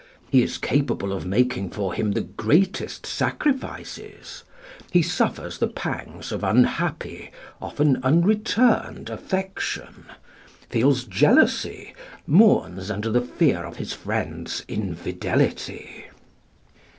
He is capable of making for him the greatest sacrifices. He suffers the pangs of unhappy, often unreturned, affection; feels jealousy, mourns under the fear of his friend's infidelity."